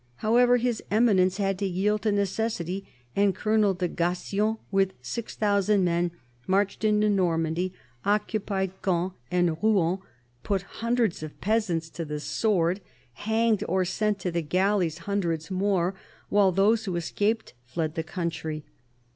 However, His Eminence had to yield to necessity, and Colonel de Gassion, with 6,000 men, marched into Normandy, occupied Caen and Rouen, put hundreds of peasants to the sword, hanged or sent to the galleys hundreds more, while those who escaped fled the country.